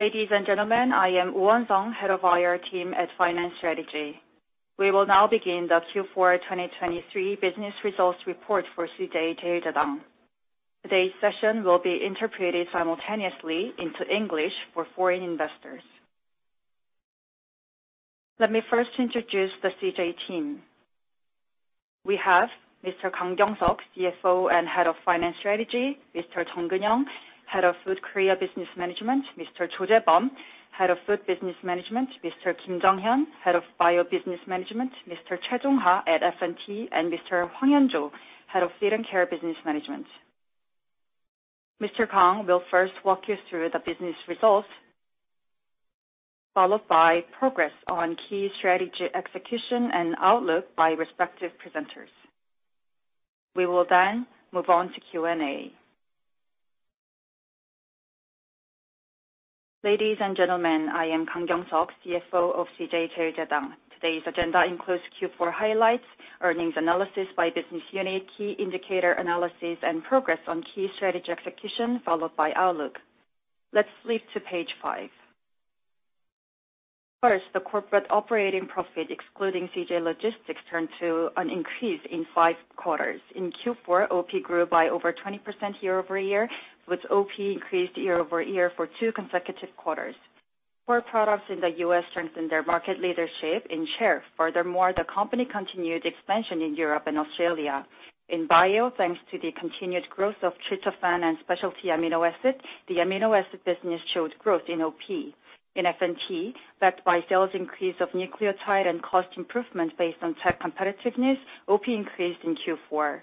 Ladies and gentlemen, I am Lee Seong-jun, Head of IR team at Finance Strategy. We will now begin the Q4 2023 business results report for CJ CheilJedang. Today's session will be interpreted simultaneously into English for foreign investors. Let me first introduce the CJ team. We have Mr. Kang Kyung Seok, CFO and Head of Finance Strategy, Mr. Jung Geun-young, Head of Food Korea Business Management, Mr. Choi Jae-bum, Head of Food Business Management, Mr. Kim Jang Young, Head of Bio-business Management, Mr. Choi Jung Ha at FNT, and Mr. Hwang Hyun Joo, Head of Feed and Care Business Management. Mr. Kang will first walk you through the business results, followed by progress on key strategy execution and outlook by respective presenters. We will then move on to Q&A. Ladies and gentlemen, I am Kang Kyung Seok, CFO of CJ CheilJedang. Today's agenda includes Q4 highlights, earnings analysis by business unit, key indicator analysis, and progress on key strategy execution, followed by outlook. Let's flip to page five. First, the corporate operating profit, excluding CJ Logistics, turned to an increase in five quarters. In Q4, OP grew by over 20% year-over-year, with OP increased year-over-year for two consecutive quarters. Core products in the U.S. strengthened their market leadership in share. Furthermore, the company continued expansion in Europe and Australia. In Bio, thanks to the continued growth of tryptophan and specialty amino acids, the amino acid business showed growth in OP. In FNT, backed by sales increase of nucleotide and cost improvement based on tech competitiveness, OP increased in Q4.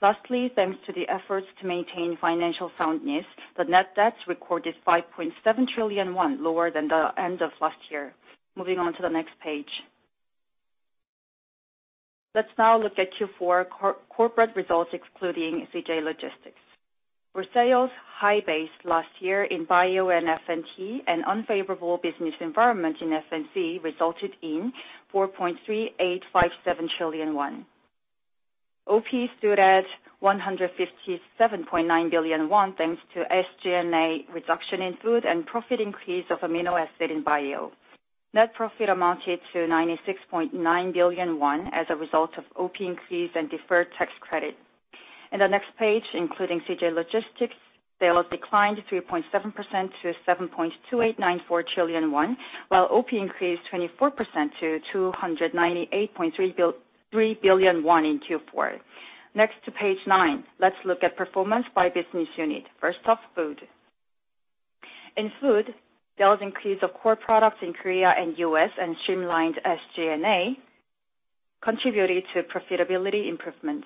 Lastly, thanks to the efforts to maintain financial soundness, the net debt recorded 5.7 trillion won, lower than the end of last year. Moving on to the next page. Let's now look at Q4 corporate results, excluding CJ Logistics. For sales, high base last year in bio and FNT, and unfavorable business environment in F&C resulted in 4.3857 trillion won. OP stood at 157.9 billion won thanks to SG&A reduction in food and profit increase of amino acid in bio. Net profit amounted to 96.9 billion won as a result of OP increase and deferred tax credit. In the next page, including CJ Logistics, sales declined 3.7% to 7.2894 trillion won, while OP increased 24% to 298.3 billion won in Q4. Next to page nine, let's look at performance by business unit. First off, food. In food, sales increase of core products in Korea and U.S. and streamlined SG&A contributed to profitability improvement.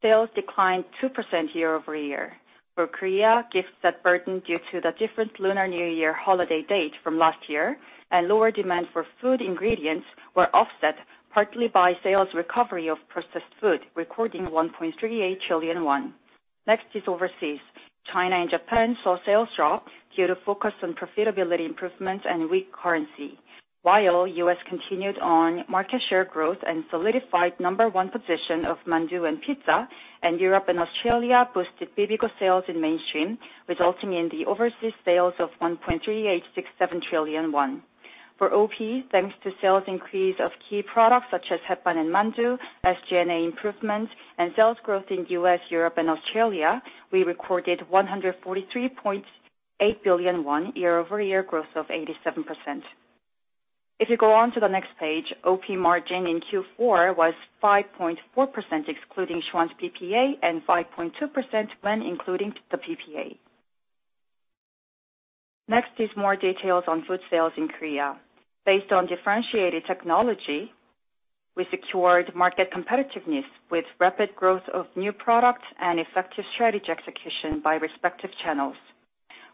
Sales declined 2% year-over-year. For Korea, gifts that burdened due to the different Lunar New Year holiday date from last year and lower demand for food ingredients were offset partly by sales recovery of processed food, recording 1.38 trillion won. Next is overseas. China and Japan saw sales drop due to focus on profitability improvements and weak currency. While U.S. continued on market share growth and solidified number one position of mandu and pizza, Europe and Australia boosted Bibigo sales in mainstream, resulting in the overseas sales of 1.3867 trillion won. For OP, thanks to sales increase of key products such as Hatbahn and mandu, SG&A improvements, and sales growth in U.S., Europe, and Australia, we recorded 143.8 billion won year-over-year growth of 87%. If you go on to the next page, OP margin in Q4 was 5.4% excluding Schwan's PPA and 5.2% when including the PPA. Next is more details on food sales in Korea. Based on differentiated technology, we secured market competitiveness with rapid growth of new products and effective strategy execution by respective channels.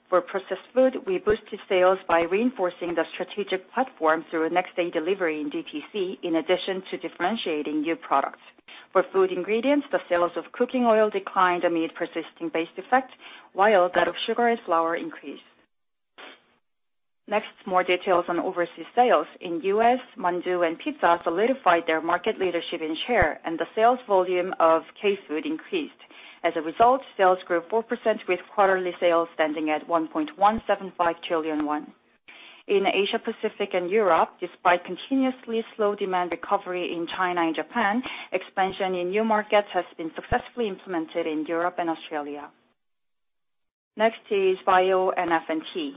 For processed food, we boosted sales by reinforcing the strategic platform through next-day delivery in DTC, in addition to differentiating new products. For food ingredients, the sales of cooking oil declined amid persisting base defect, while that of sugar and flour increased. Next, more details on overseas sales. In U.S., mandu and pizza solidified their market leadership in share, and the sales volume of K-food increased. As a result, sales grew 4% with quarterly sales standing at 1.175 trillion won. In Asia-Pacific and Europe, despite continuously slow demand recovery in China and Japan, expansion in new markets has been successfully implemented in Europe and Australia. Next is bio and FNT.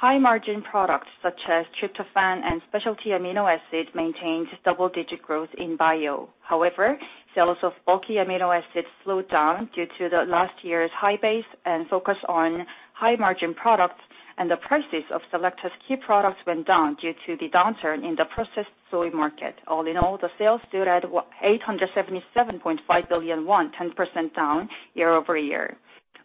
High-margin products such as tryptophan and specialty amino acids maintained double-digit growth in Bio. However, sales of bulky amino acids slowed down due to last year's high base and focus on high-margin products, and the prices of Selecta's key products went down due to the downturn in the processed soy market. All in all, the sales stood at 877.5 billion won, 10% down year-over-year.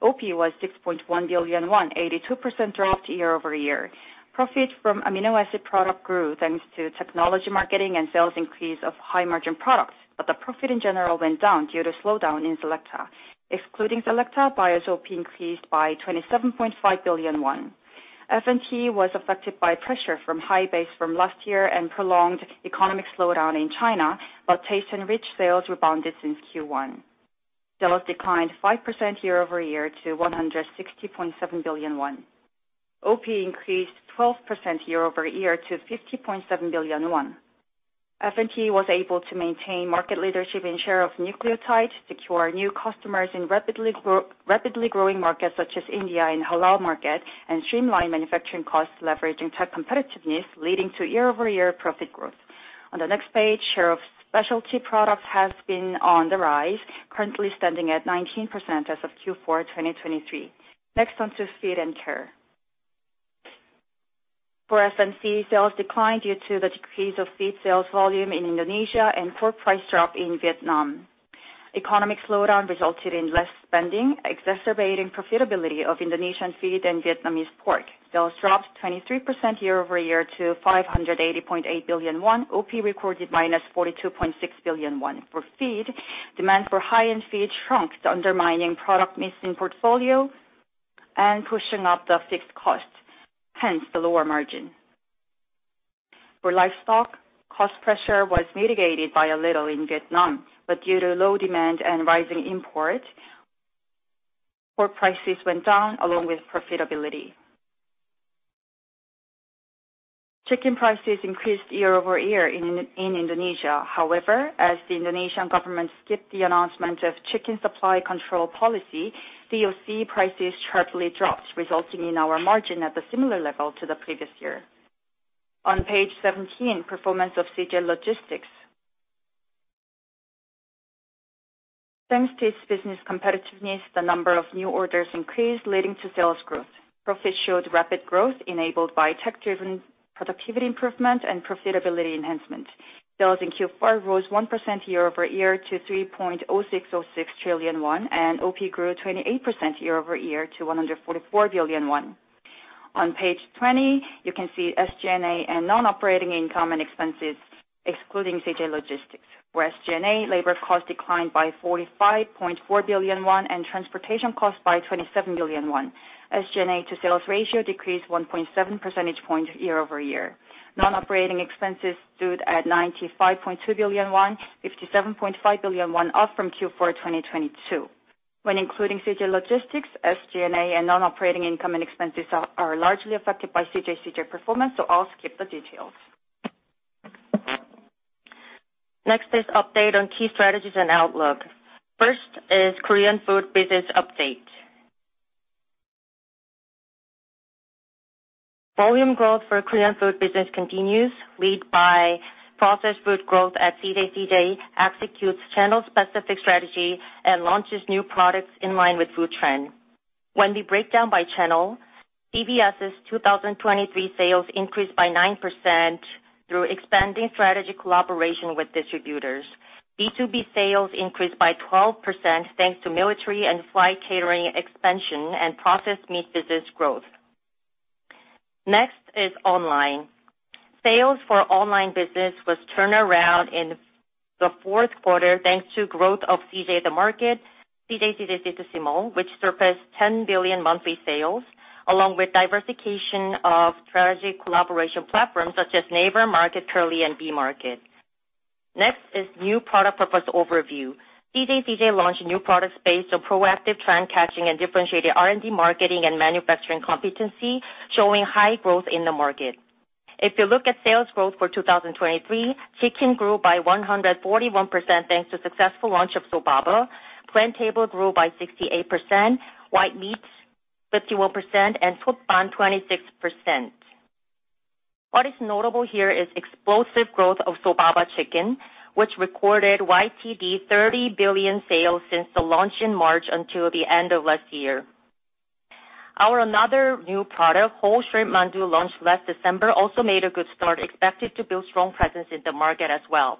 OP was 6.1 billion won, 82% dropped year-over-year. Profit from amino acid products grew thanks to technology marketing and sales increase of high-margin products, but the profit in general went down due to slowdown in Selecta. Excluding Selecta, Bio's OP increased by 27.5 billion won. FNT was affected by pressure from high base from last year and prolonged economic slowdown in China, but TasteNrich sales rebounded since Q1. Sales declined 5% year-over-year to 160.7 billion won. OP increased 12% year-over-year to 50.7 billion won. FNT was able to maintain market leadership in share of nucleotides, secure new customers in rapidly growing markets such as India and the halal market, and streamline manufacturing costs leveraging tech competitiveness, leading to year-over-year profit growth. On the next page, share of specialty products has been on the rise, currently standing at 19% as of Q4 2023. Next onto feed and care. For F&C, sales declined due to the decrease of feed sales volume in Indonesia and core price drop in Vietnam. Economic slowdown resulted in less spending, exacerbating profitability of Indonesian feed and Vietnamese pork. Sales dropped 23% year-over-year to 580.8 billion won. OP recorded -42.6 billion won. For feed, demand for high-end feed shrunk, undermining product mix in portfolio and pushing up the fixed cost, hence the lower margin. For livestock, cost pressure was mitigated by a little in Vietnam, but due to low demand and rising imports, pork prices went down along with profitability. Chicken prices increased year-over-year in Indonesia. However, as the Indonesian government skipped the announcement of chicken supply control policy, DOC prices sharply dropped, resulting in our margin at the similar level to the previous year. On page 17, performance of CJ Logistics. Thanks to its business competitiveness, the number of new orders increased, leading to sales growth. Profit showed rapid growth enabled by tech-driven productivity improvement and profitability enhancement. Sales in Q4 rose 1% year-over-year to 3.0606 trillion won, and OP grew 28% year-over-year to 144 billion won. On page 20, you can see SG&A and non-operating income and expenses, excluding CJ Logistics. For SG&A, labor cost declined by 45.4 billion won and transportation cost by 27 billion won. SG&A-to-sales ratio decreased 1.7 percentage points year-over-year. Non-operating expenses stood at 95.2 billion won, 57.5 billion won up from Q4 2022. When including CJ Logistics, SG&A and non-operating income and expenses are largely affected by CJ's CJ performance, so I'll skip the details. Next is update on key strategies and outlook. First is Korean food business update. Volume growth for Korean food business continues, led by processed food growth at CJ CheilJedang. CJ executes channel-specific strategy and launches new products in line with food trend. When we break down by channel, CVS's 2023 sales increased by 9% through expanding strategy collaboration with distributors. B2B sales increased by 12% thanks to military and flight catering expansion and processed meat business growth. Next is online. Sales for online business was turned around in the fourth quarter thanks to growth of CJ The Market, CJCJ Citysimul, which surpassed 10 billion monthly sales, along with diversification of strategy collaboration platforms such as Naver, Market Kurly, and B-Mart. Next is new product purpose overview. CJCJ launched new products based on proactive trend catching and differentiated R&D marketing and manufacturing competency, showing high growth in the market. If you look at sales growth for 2023, chicken grew by 141% thanks to successful launch of Sobaba. PlanTable grew by 68%, white meats 51%, and Sotban 26%. What is notable here is explosive growth of Sobaba chicken, which recorded YTD 30 billion sales since the launch in March until the end of last year. Our another new product, whole shrimp mandu, launched last December, also made a good start, expected to build strong presence in the market as well.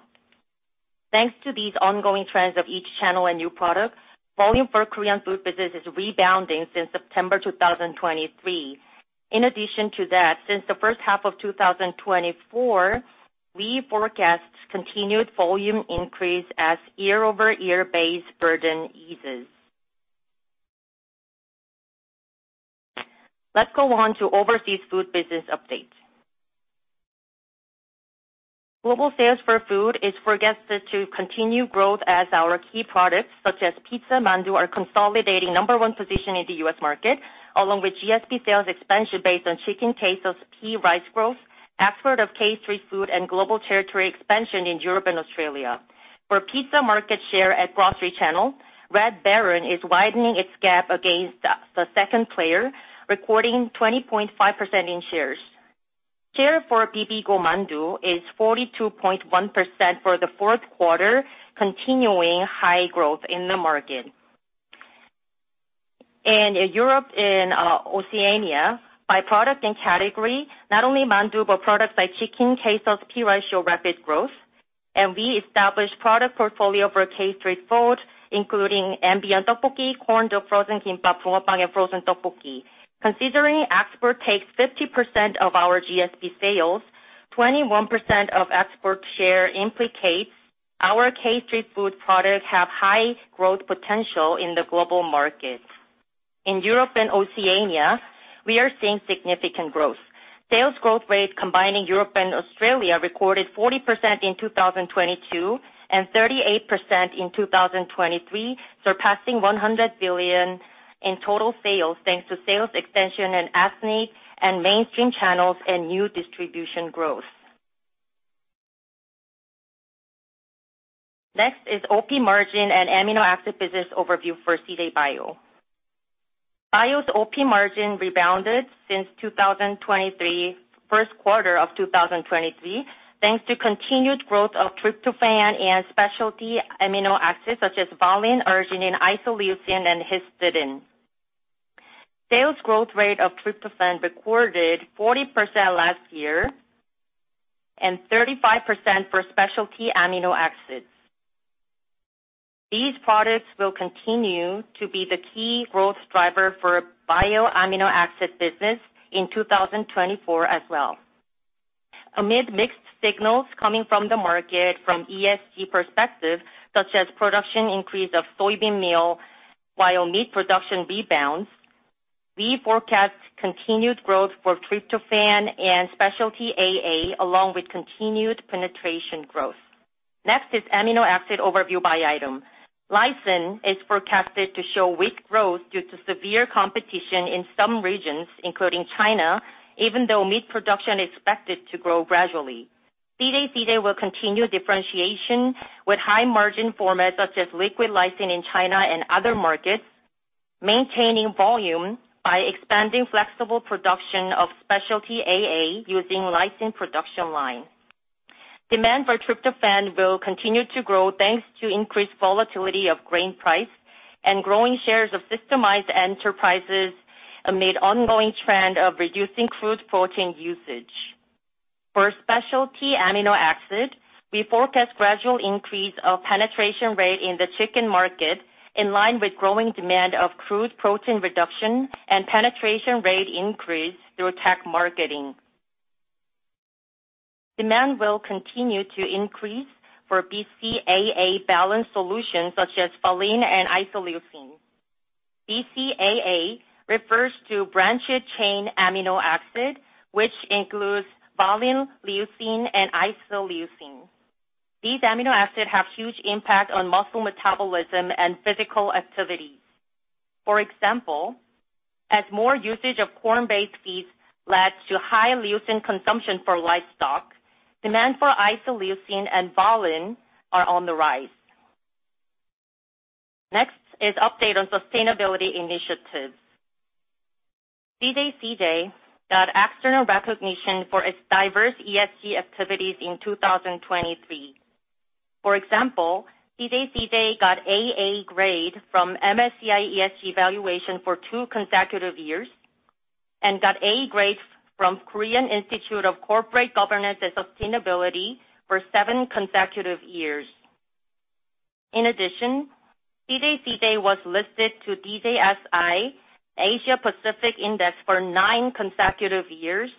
Thanks to these ongoing trends of each channel and new product, volume for Korean food business is rebounding since September 2023. In addition to that, since the first half of 2024, we forecast continued volume increase as year-over-year base burden eases. Let's go on to overseas food business update. Global sales for food is forecasted to continue growth as our key products such as pizza and mandu are consolidating number one position in the U.S. market, along with GSP sales expansion based on chicken Processed Rice growth, export of K-Street foods, and global territory expansion in Europe and Australia. For pizza market share at grocery channel, Red Baron is widening its gap against the second player, recording 20.5% in shares. Share for Bibigo mandu is 42.1% for the fourth quarter, continuing high growth in the market. In Europe and Oceania, by product and category, not only mandu but products like chicken, Kimbap, Hetbahn show rapid growth. We established product portfolio for K-Street foods, including Ambient Tteokbokki, Corn Dog Frozen Kimbap, Bungeoppang, and Frozen Tteokbokki. Considering export takes 50% of our GSP sales, 21% of export share implicates our K-Street foods products have high growth potential in the global market. In Europe and Oceania, we are seeing significant growth. Sales growth rate combining Europe and Australia recorded 40% in 2022 and 38% in 2023, surpassing 100 billion in total sales thanks to sales extension and ethnic and mainstream channels and new distribution growth. Next is OP margin and amino acid business overview for CJ Bio. Bio's OP margin rebounded since 2023, first quarter of 2023, thanks to continued growth of tryptophan and specialty amino acids such as valine, arginine, isoleucine, and histidine. Sales growth rate of tryptophan recorded 40% last year and 35% for specialty amino acids. These products will continue to be the key growth driver for bioamino acid business in 2024 as well. Amid mixed signals coming from the market from ESG perspective, such as production increase of soybean meal while meat production rebounds, we forecast continued growth for tryptophan and specialty AA along with continued penetration growth. Next is amino acid overview by item. Lysine is forecasted to show weak growth due to severe competition in some regions, including China, even though meat production is expected to grow gradually. CJ CheilJedang will continue differentiation with high-margin formats such as liquid lysine in China and other markets, maintaining volume by expanding flexible production of specialty AA using lysine production lines. Demand for tryptophan will continue to grow thanks to increased volatility of grain price and growing shares of systemized enterprises amid ongoing trend of reducing crude protein usage. For specialty amino acid, we forecast gradual increase of penetration rate in the chicken market in line with growing demand of crude protein reduction and penetration rate increase through tech marketing. Demand will continue to increase for BCAA balanced solutions such as valine and isoleucine. BCAA refers to branched chain amino acid, which includes valine, leucine, and isoleucine. These amino acids have huge impact on muscle metabolism and physical activities. For example, as more usage of corn-based feeds led to high leucine consumption for livestock, demand for isoleucine and valine are on the rise. Next is update on sustainability initiatives. CJ CheilJedang got external recognition for its diverse ESG activities in 2023. For example, CJCJ got AA grade from MSCI ESG Evaluation for 2 consecutive years and got A grade from Korean Institute of Corporate Governance and Sustainability for 7 consecutive years. In addition, CJCJ was listed to DJSI Asia-Pacific Index for 9 consecutive years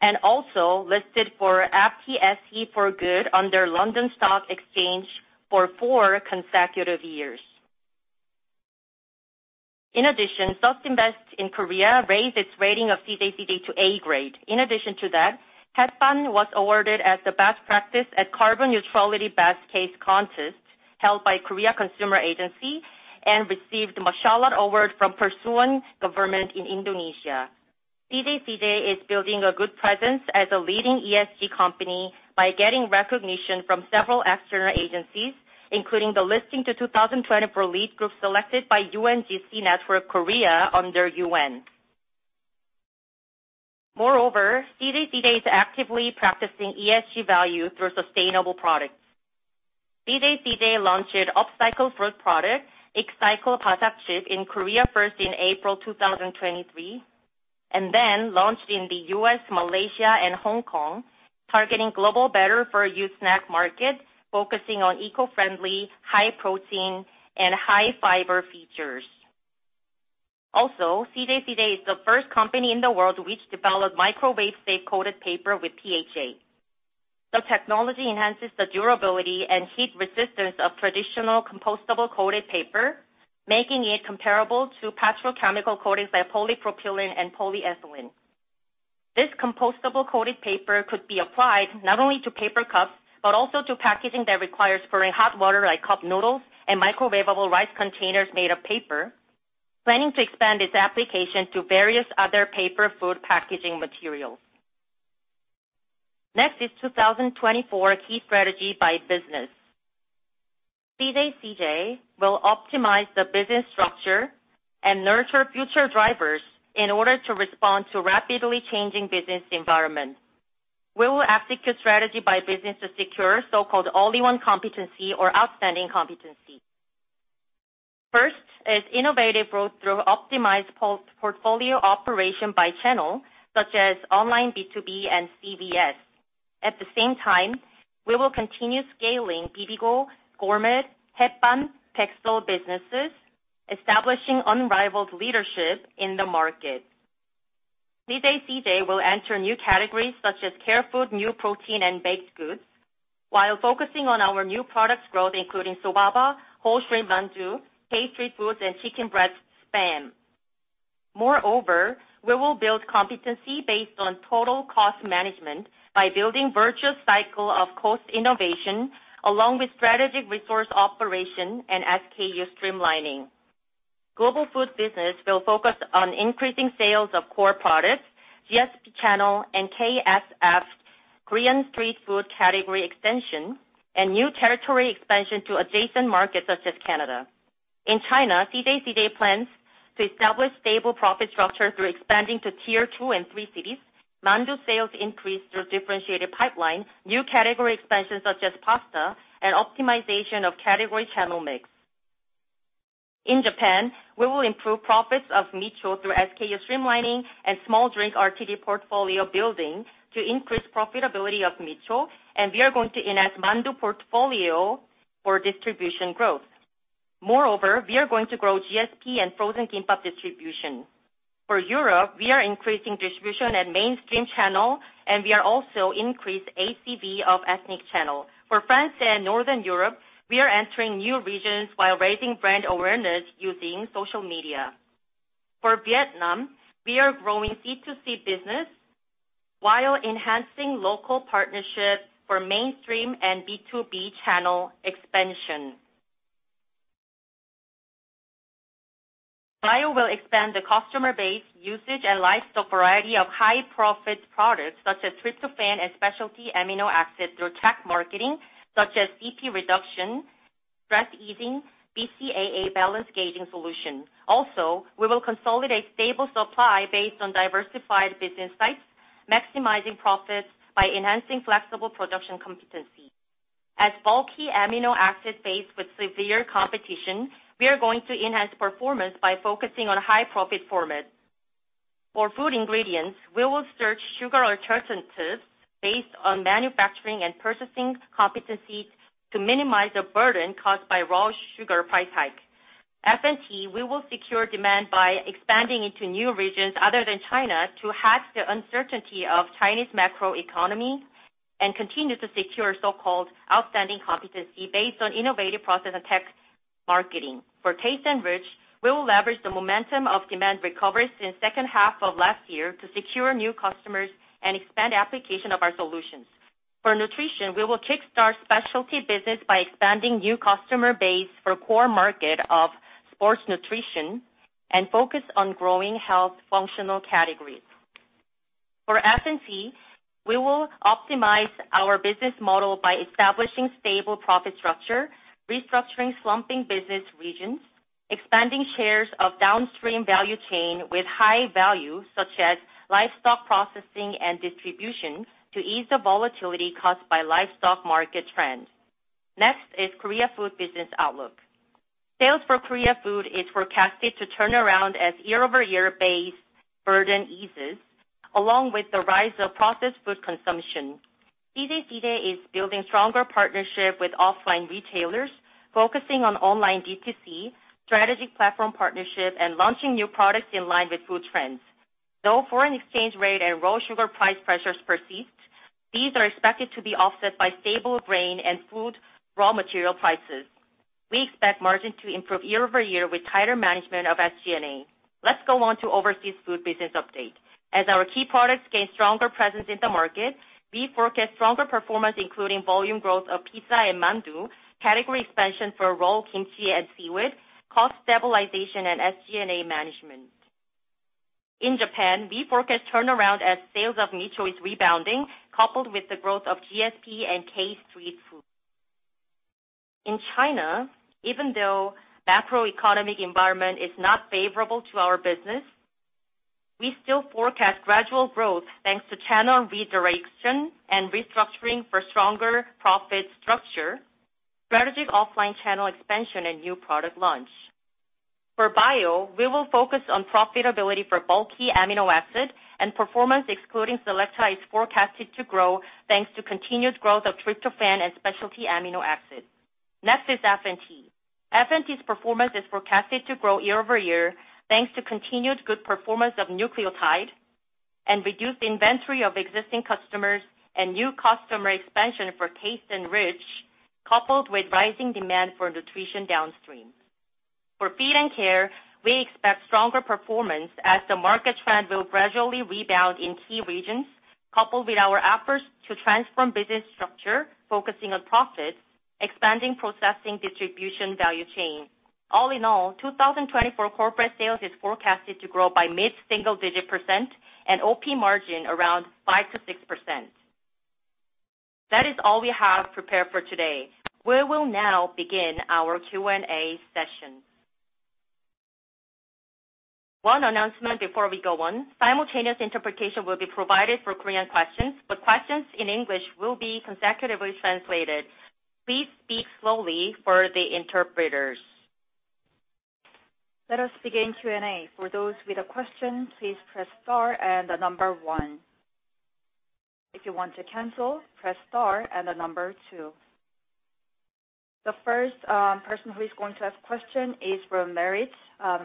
and also listed for FTSE for Good under London Stock Exchange for 4 consecutive years. In addition, SUST Invest in Korea raised its rating of CJCJ to A grade. In addition to that, Hetbahn was awarded as the best practice at Carbon Neutrality Best Case Contest held by Korea Consumer Agency and received the Masyarakat Award from Persuan Government in Indonesia. CJCJ is building a good presence as a leading ESG company by getting recognition from several external agencies, including the listing to 2024 lead group selected by UNGC Network Korea under UN. Moreover, CJCJ is actively practicing ESG value through sustainable products. CheilJedang launched upcycled fruit product, Excycle Basak Chip, in Korea first in April 2023 and then launched in the U.S., Malaysia, and Hong Kong, targeting Global Better for Youth Snack Market, focusing on eco-friendly, high protein, and high fiber features. Also, CJ CheilJedang is the first company in the world which developed microwave-safe coated paper with PHA. The technology enhances the durability and heat resistance of traditional compostable coated paper, making it comparable to petrochemical coatings like polypropylene and polyethylene. This compostable coated paper could be applied not only to paper cups but also to packaging that requires pouring hot water like cup noodles and microwavable rice containers made of paper, planning to expand its application to various other paper food packaging materials. Next is 2024 key strategy by business. CJ CheilJedang will optimize the business structure and nurture future drivers in order to respond to rapidly changing business environments. We will execute strategy by business to secure so-called all-in-one competency or outstanding competency. First is innovative growth through optimized portfolio operation by channel such as online B2B and CVS. At the same time, we will continue scaling Bibigo, Gourmet, Hetbahn, and Beksul businesses, establishing unrivaled leadership in the market. CJ CheilJedang will enter new categories such as care food, new protein, and baked goods while focusing on our new products' growth, including Sobaba, whole shrimp mandu, K-Street foods, and chicken breast spam. Moreover, we will build competency based on total cost management by building virtuous cycles of cost innovation along with strategic resource operation and SKU streamlining. Global food business will focus on increasing sales of core products, GSP channel, and KSF Korean street food category extension, and new territory expansion to adjacent markets such as Canada. In China, CJCJ plans to establish stable profit structure through expanding to tier two and three cities, mandu sales increase through differentiated pipeline, new category expansion such as pasta, and optimization of category channel mix. In Japan, we will improve profits of Micho through SKU streamlining and small drink RTD portfolio building to increase profitability of Micho, and we are going to enhance mandu portfolio for distribution growth. Moreover, we are going to grow GSP and frozen kimbap distribution. For Europe, we are increasing distribution at mainstream channel, and we are also increasing ACV of ethnic channel. For France and Northern Europe, we are entering new regions while raising brand awareness using social media. For Vietnam, we are growing C2C business while enhancing local partnerships for mainstream and B2B channel expansion. Bio will expand the customer base, usage, and livestock variety of high-profit products such as Tryptophan and specialty amino acids through tech marketing such as CP reduction, stress easing, and BCAA balance gauging solution. Also, we will consolidate stable supply based on diversified business sites, maximizing profits by enhancing flexible production competency. As bulky amino acid based with severe competition, we are going to enhance performance by focusing on high-profit formats. For food ingredients, we will search sugar alternatives based on manufacturing and purchasing competency to minimize the burden caused by raw sugar price hike. FNT, we will secure demand by expanding into new regions other than China to hack the uncertainty of the Chinese macroeconomy and continue to secure so-called outstanding competency based on innovative process and tech marketing. For TasteNrich, we will leverage the momentum of demand recovery since the second half of last year to secure new customers and expand application of our solutions. For nutrition, we will kickstart specialty business by expanding new customer base for a core market of sports nutrition and focus on growing health functional categories. For FNT, we will optimize our business model by establishing stable profit structure, restructuring slumping business regions, expanding shares of downstream value chain with high value such as livestock processing and distribution to ease the volatility caused by livestock market trends. Next is Korea Food business outlook. Sales for Korea Food is forecasted to turn around as year-over-year base burden eases along with the rise of processed food consumption. CJ CheilJedang is building stronger partnerships with offline retailers, focusing on online DTC, strategic platform partnership, and launching new products in line with food trends. Though foreign exchange rate and raw sugar price pressures persist, these are expected to be offset by stable grain and food raw material prices. We expect margin to improve year-over-year with tighter management of SG&A. Let's go on to overseas food business update. As our key products gain stronger presence in the market, we forecast stronger performance including volume growth of pizza and mandu, category expansion for raw kimchi and seaweed, cost stabilization, and SG&A management. In Japan, we forecast turnaround as sales of Micho is rebounding coupled with the growth of GSP and K-Street foods. In China, even though the macroeconomic environment is not favorable to our business, we still forecast gradual growth thanks to channel redirection and restructuring for stronger profit structure, strategic offline channel expansion, and new product launch. For Bio, we will focus on profitability for bulky amino acid and performance excluding Selecta is forecasted to grow thanks to continued growth of Tryptophan and specialty amino acids. Next is FNT. FNT's performance is forecasted to grow year-over-year thanks to continued good performance of Nucleotide and reduced inventory of existing customers and new customer expansion for TasteNrich coupled with rising demand for nutrition downstream. For Feed & Care, we expect stronger performance as the market trend will gradually rebound in key regions coupled with our efforts to transform business structure focusing on profits, expanding processing distribution value chain. All in all, 2024 corporate sales is forecasted to grow by mid-single-digit% and OP margin around 5%-6%. That is all we have prepared for today. We will now begin our Q&A session. One announcement before we go on. Simultaneous interpretation will be provided for Korean questions, but questions in English will be consecutively translated. Please speak slowly for the interpreters. Let us begin Q&A. For those with a question, please press star and one. If you want to cancel, press star and two. The first person who is going to ask a question is from Meritz,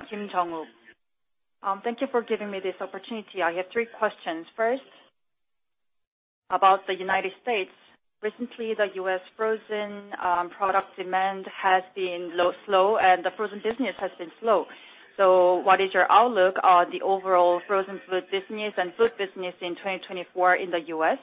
Kim Jung-wook. Thank you for giving me this opportunity. I have three questions. First, about the United States. Recently, the U.S. frozen product demand has been slow, and the frozen business has been slow. So what is your outlook on the overall frozen food business and food business in 2024 in the U.S.?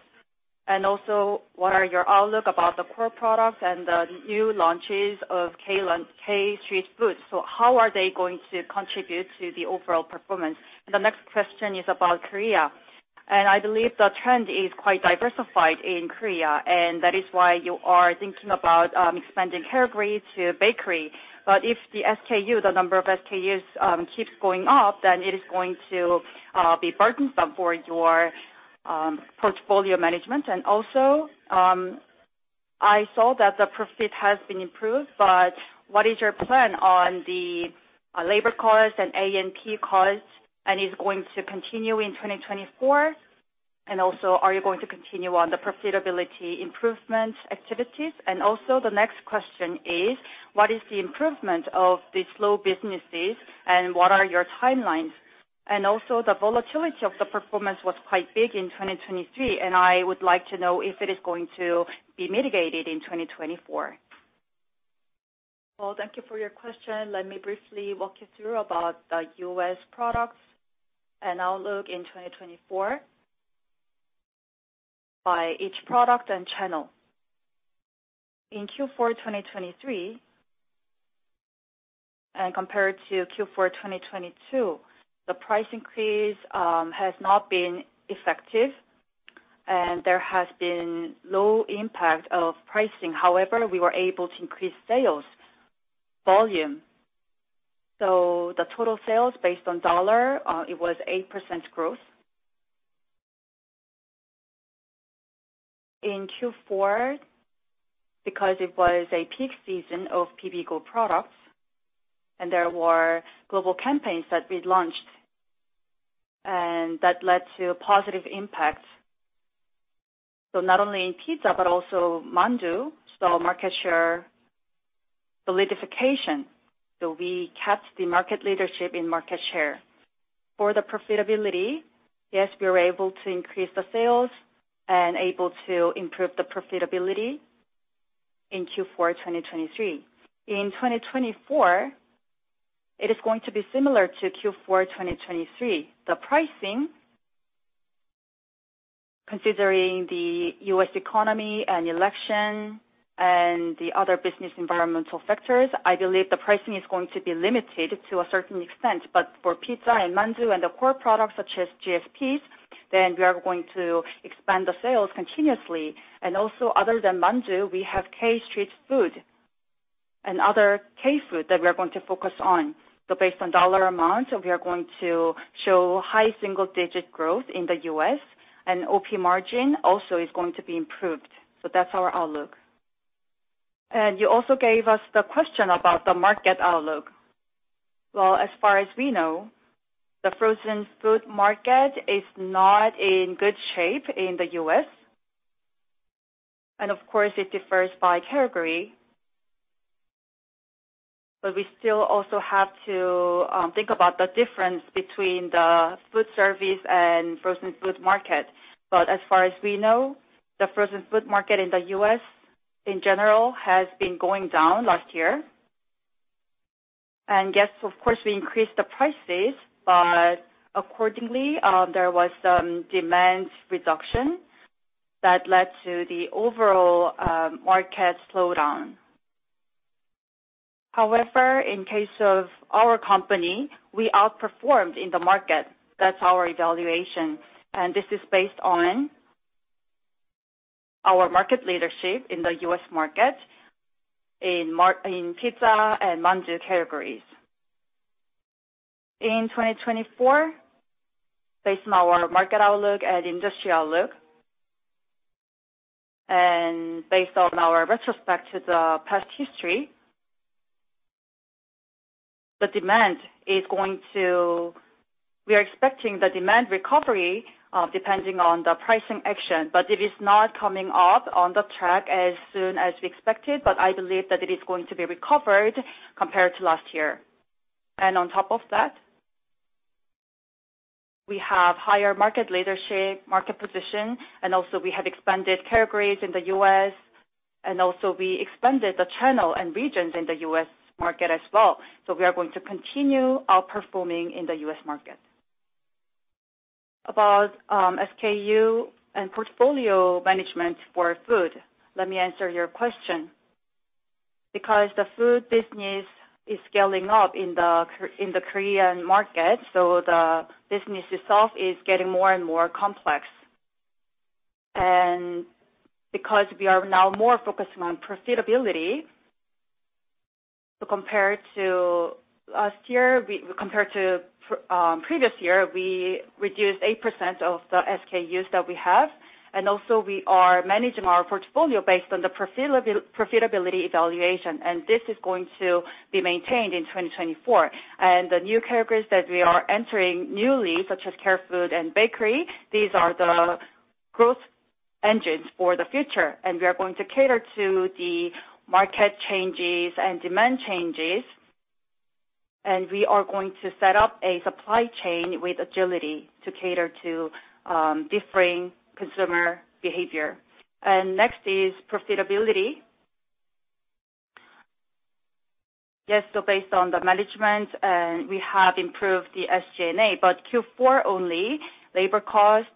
And also, what are your outlooks about the core products and the new launches of K-Street foods? So how are they going to contribute to the overall performance? The next question is about Korea. I believe the trend is quite diversified in Korea, and that is why you are thinking about expanding category to bakery. But if the SKU, the number of SKUs, keeps going up, then it is going to be burdensome for your portfolio management. Also, I saw that the profit has been improved, but what is your plan on the labor costs and A&P costs? And is it going to continue in 2024? Also, are you going to continue on the profitability improvement activities? Also, the next question is, what is the improvement of the slow businesses, and what are your timelines? Also, the volatility of the performance was quite big in 2023, and I would like to know if it is going to be mitigated in 2024. Well, thank you for your question. Let me briefly walk you through about the U.S. products and outlook in 2024 by each product and channel. In Q4 2023, and compared to Q4 2022, the price increase has not been effective, and there has been low impact of pricing. However, we were able to increase sales volume. So the total sales based on dollar, it was 8% growth. In Q4, because it was a peak season of Bibigo products, and there were global campaigns that we launched, and that led to positive impact. So not only in pizza but also mandu, so market share solidification. So we kept the market leadership in market share. For the profitability, yes, we were able to increase the sales and able to improve the profitability in Q4 2023. In 2024, it is going to be similar to Q4 2023. The pricing, considering the U.S. economy and election and the other business environmental factors, I believe the pricing is going to be limited to a certain extent. But for pizza and mandu and the core products such as GSPs, then we are going to expand the sales continuously. And also, other than mandu, we have K-Street Food and other K-Food that we are going to focus on. So based on dollar amount, we are going to show high single-digit growth in the U.S., and OP margin also is going to be improved. So that's our outlook. And you also gave us the question about the market outlook. Well, as far as we know, the frozen food market is not in good shape in the U.S. And of course, it differs by category. But we still also have to think about the difference between the food service and frozen food market. But as far as we know, the frozen food market in the U.S. in general has been going down last year. And yes, of course, we increased the prices, but accordingly, there was some demand reduction that led to the overall market slowdown. However, in case of our company, we outperformed in the market. That's our evaluation. And this is based on our market leadership in the U.S. market in pizza and mandu categories. In 2024, based on our market outlook and industry outlook, and based on our retrospect to the past history, the demand is going to we are expecting the demand recovery depending on the pricing action. But it is not coming up on the track as soon as we expected, but I believe that it is going to be recovered compared to last year. On top of that, we have higher market leadership, market position, and also we have expanded categories in the U.S., and also we expanded the channel and regions in the U.S. market as well. We are going to continue outperforming in the U.S. market. About SKU and portfolio management for food, let me answer your question. Because the food business is scaling up in the Korean market, so the business itself is getting more and more complex. Because we are now more focusing on profitability, so compared to last year, compared to previous year, we reduced 8% of the SKUs that we have. Also, we are managing our portfolio based on the profitability evaluation. This is going to be maintained in 2024. The new categories that we are entering newly, such as care food and bakery, these are the growth engines for the future. We are going to cater to the market changes and demand changes. We are going to set up a supply chain with agility to cater to differing consumer behavior. Next is profitability. Yes, so based on the management, we have improved the SG&A. But Q4 only, labor costs—well,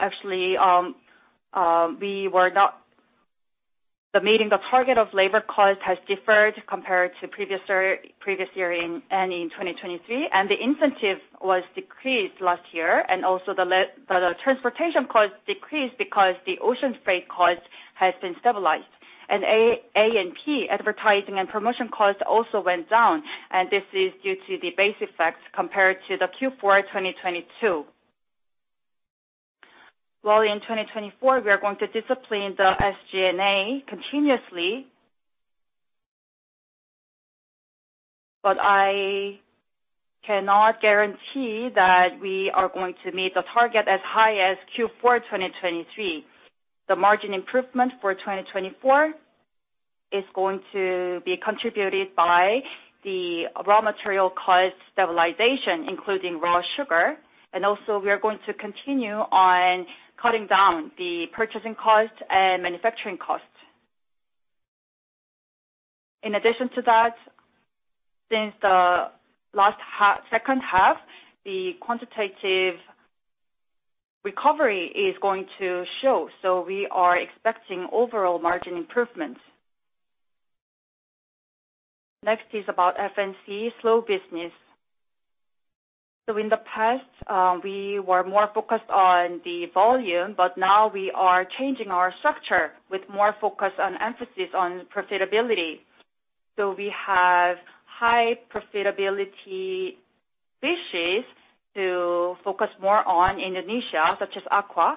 actually, we were not meeting the target of labor costs has differed compared to previous year and in 2023. The incentive was decreased last year. Also, the transportation costs decreased because the ocean freight costs have been stabilized. A&P, advertising and promotion costs also went down. This is due to the base effects compared to the Q4 2022. While in 2024, we are going to discipline the SG&A continuously. But I cannot guarantee that we are going to meet the target as high as Q4 2023. The margin improvement for 2024 is going to be contributed by the raw material cost stabilization, including raw sugar. We are going to continue on cutting down the purchasing costs and manufacturing costs. In addition to that, since the last second half, the quantitative recovery is going to show. We are expecting overall margin improvements. Next is about F&C, slow business. In the past, we were more focused on the volume, but now we are changing our structure with more focus and emphasis on profitability. We have high profitability issues to focus more on Indonesia, such as Aqua.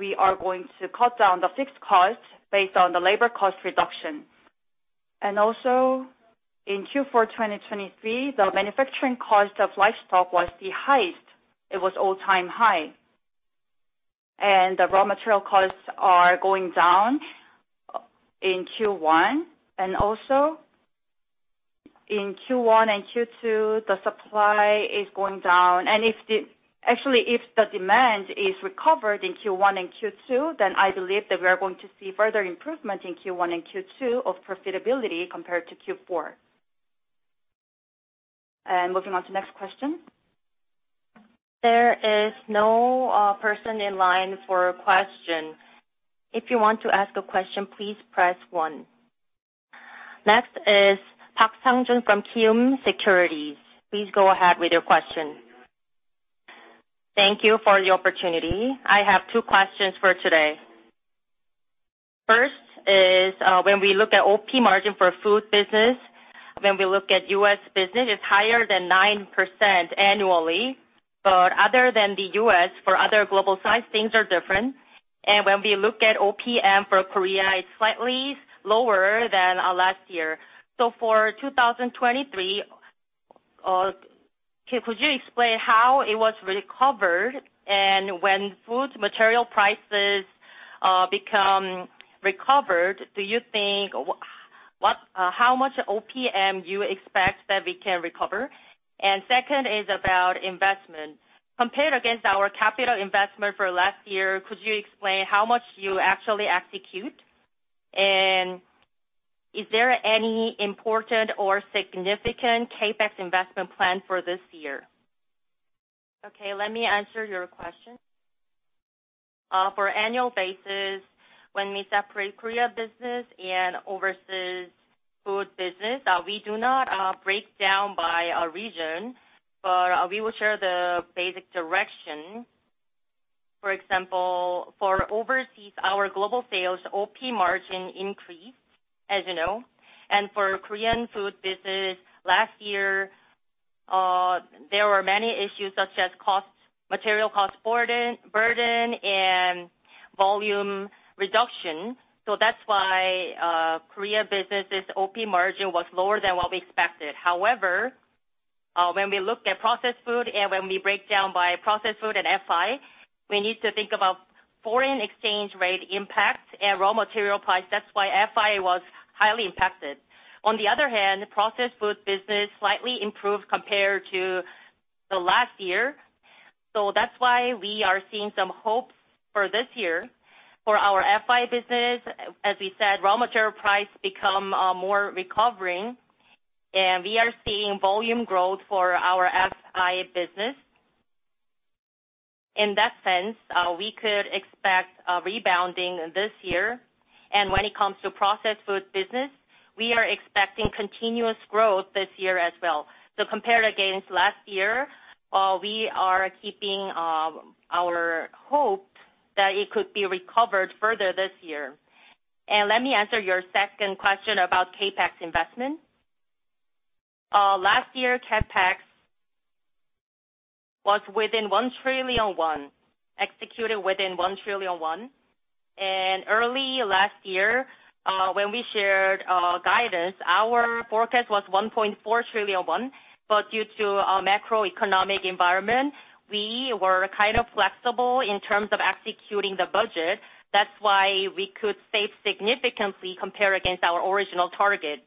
We are going to cut down the fixed costs based on the labor cost reduction. In Q4 2023, the manufacturing cost of livestock was the highest. It was all-time high. The raw material costs are going down in Q1. And also, in Q1 and Q2, the supply is going down. And if, actually, if the demand is recovered in Q1 and Q2, then I believe that we are going to see further improvement in Q1 and Q2 of profitability compared to Q4. And moving on to the next question. There is no person in line for a question. If you want to ask a question, please press one. Next is Park Sang-jun from Kiwoom Securities. Please go ahead with your question. Thank you for the opportunity. I have two questions for today. First is when we look at OP margin for food business, when we look at U.S. business, it's higher than 9% annually. But other than the U.S., for other global sizes, things are different. And when we look at OPM for Korea, it's slightly lower than last year. So for 2023, could you explain how it was recovered? And when food material prices become recovered, do you think what how much OPM you expect that we can recover? And second is about investment. Compared against our capital investment for last year, could you explain how much you actually execute? And is there any important or significant CapEx investment plan for this year? Okay. Let me answer your question. For annual basis, when we separate Korea business and overseas food business, we do not break down by region, but we will share the basic direction. For example, for overseas, our global sales OP margin increased, as you know. And for Korean food business, last year, there were many issues such as cost material cost burden and volume reduction. So that's why Korea business's OP margin was lower than what we expected. However, when we look at processed food and when we break down by processed food and FI, we need to think about foreign exchange rate impact and raw material price. That's why FI was highly impacted. On the other hand, processed food business slightly improved compared to the last year. That's why we are seeing some hopes for this year for our FI business. As we said, raw material price become more recovering, and we are seeing volume growth for our FI business. In that sense, we could expect rebounding this year. When it comes to processed food business, we are expecting continuous growth this year as well. Compared against last year, we are keeping our hope that it could be recovered further this year. Let me answer your second question about CapEx investment. Last year, CapEx was within 1 trillion won, executed within 1 trillion won. Early last year, when we shared guidance, our forecast was 1.4 trillion won. But due to macroeconomic environment, we were kind of flexible in terms of executing the budget. That's why we could save significantly compared against our original target.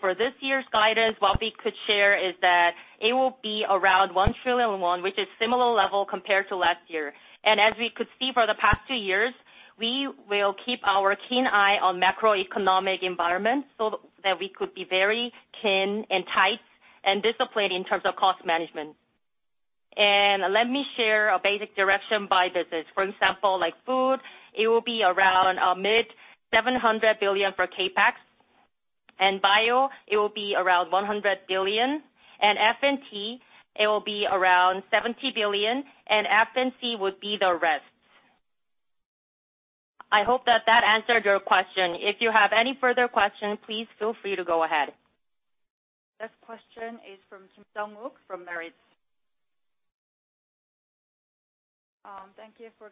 For this year's guidance, what we could share is that it will be around 1 trillion won, which is similar level compared to last year. As we could see for the past two years, we will keep our keen eye on macroeconomic environment so that we could be very keen and tight and disciplined in terms of cost management. Let me share a basic direction by business. For example, like food, it will be around mid-700 billion KRW for CapEx. And bio, it will be around 100 billion. FNT, it will be around 70 billion. F&C would be the rest. I hope that that answered your question. If you have any further questions, please feel free to go ahead. Next question is from Kim Jung-wook from Meritz Securities. Thank you for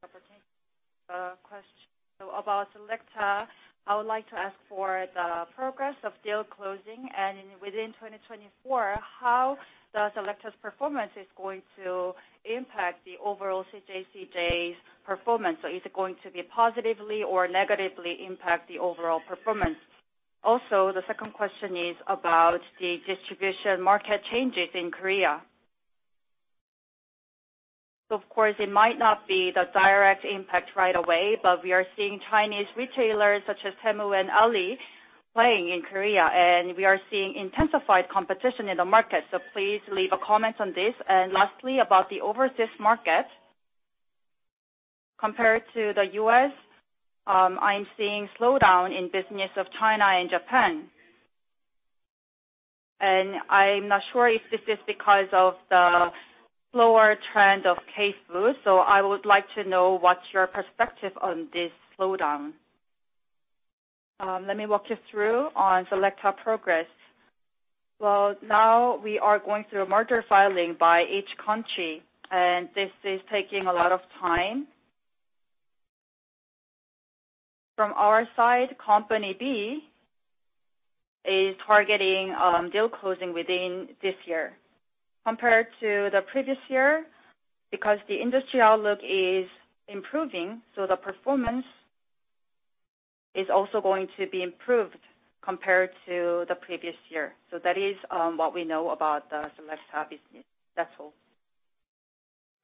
the question. So about Selecta, I would like to ask for the progress of deal closing. And within 2024, how does Selecta's performance is going to impact the overall CJCJ's performance? So is it going to positively or negatively impact the overall performance? Also, the second question is about the distribution market changes in Korea. So of course, it might not be the direct impact right away, but we are seeing Chinese retailers such as Temu and Ali playing in Korea. And we are seeing intensified competition in the market. So please leave a comment on this. And lastly, about the overseas market, compared to the U.S., I'm seeing slowdown in business of China and Japan. And I'm not sure if this is because of the slower trend of K food. So I would like to know what's your perspective on this slowdown. Let me walk you through on Selecta progress. Well, now we are going through merger filing by each country. And this is taking a lot of time. From our side, Company B is targeting deal closing within this year. Compared to the previous year, because the industry outlook is improving, so the performance is also going to be improved compared to the previous year. So that is what we know about the Selecta business. That's all.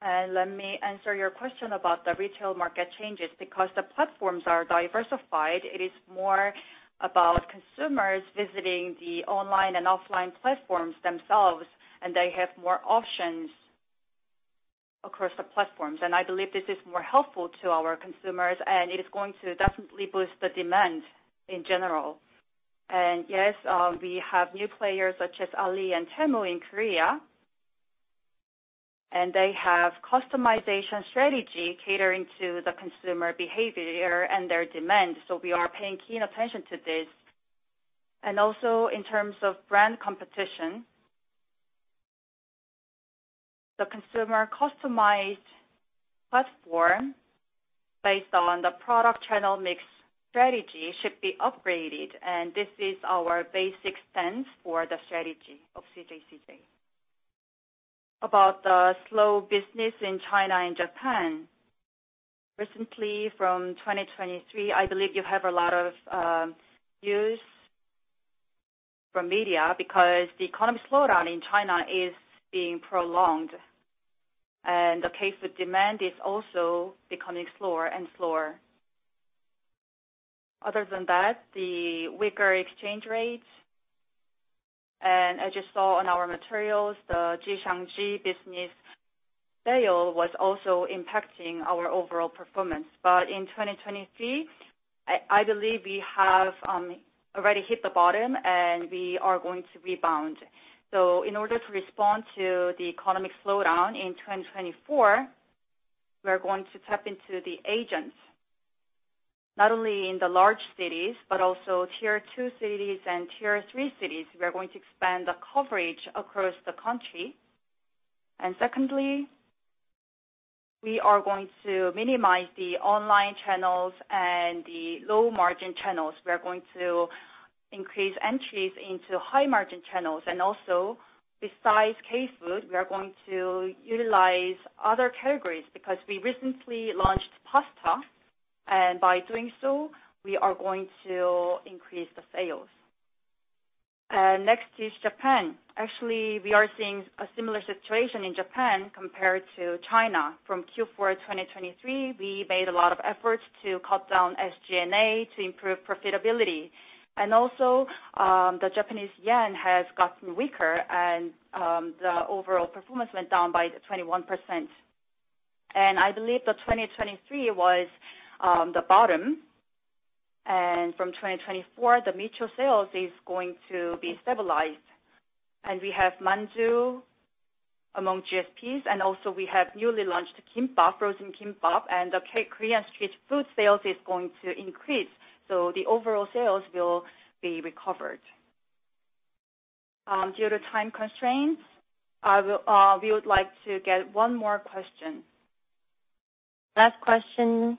And let me answer your question about the retail market changes. Because the platforms are diversified, it is more about consumers visiting the online and offline platforms themselves, and they have more options across the platforms. I believe this is more helpful to our consumers. It is going to definitely boost the demand in general. Yes, we have new players such as Ali and Temu in Korea. They have customization strategy catering to the consumer behavior and their demand. We are paying keen attention to this. Also, in terms of brand competition, the consumer-customized platform based on the product channel mix strategy should be upgraded. This is our basic stance for the strategy of CJ CheilJedang. About the slow business in China and Japan, recently from 2023, I believe you have a lot of news from media because the economy slowdown in China is being prolonged. The K food demand is also becoming slower and slower. Other than that, the weaker exchange rates. As you saw on our materials, the Jixiangju business sale was also impacting our overall performance. But in 2023, I believe we have already hit the bottom, and we are going to rebound. In order to respond to the economic slowdown in 2024, we are going to tap into the agents. Not only in the large cities, but also Tier 2 cities and Tier 3 cities, we are going to expand the coverage across the country. Secondly, we are going to minimize the online channels and the low-margin channels. We are going to increase entries into high-margin channels. Also, besides K food, we are going to utilize other categories because we recently launched pasta. And by doing so, we are going to increase the sales. Next is Japan. Actually, we are seeing a similar situation in Japan compared to China. From Q4 2023, we made a lot of efforts to cut down SG&A to improve profitability. The Japanese yen has gotten weaker, and the overall performance went down by 21%. I believe that 2023 was the bottom. From 2024, the mutual sales is going to be stabilized. We have mandu among GSPs. We have newly launched kimbap, frozen kimbap. The Korean street food sales is going to increase. So the overall sales will be recovered. Due to time constraints, we would like to get one more question. Last question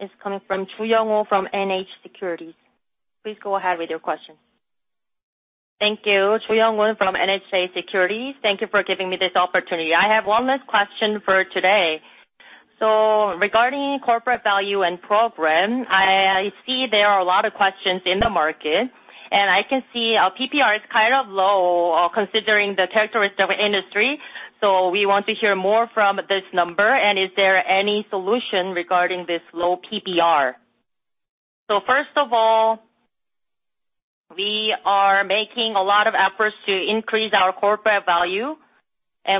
is coming from Joo Young-hoon from NH Securities. Please go ahead with your question. Thank you. Joo Young-hoon from NH Securities, thank you for giving me this opportunity. I have one last question for today. Regarding corporate value and program, I see there are a lot of questions in the market. I can see PBR is kind of low considering the characteristic of industry. We want to hear more from this number. Is there any solution regarding this low PBR? First of all, we are making a lot of efforts to increase our corporate value.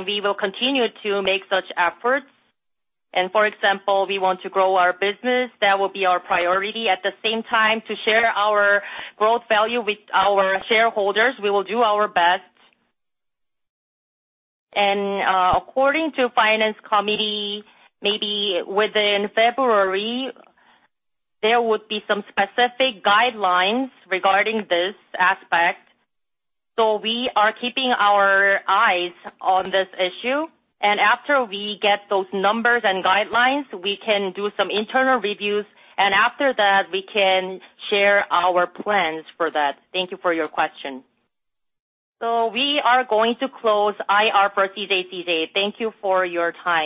We will continue to make such efforts. For example, we want to grow our business. That will be our priority. At the same time, to share our growth value with our shareholders, we will do our best. According to finance committee, maybe within February, there would be some specific guidelines regarding this aspect. We are keeping our eyes on this issue. After we get those numbers and guidelines, we can do some internal reviews. After that, we can share our plans for that. Thank you for your question. We are going to close IR for CJCJ. Thank you for your time.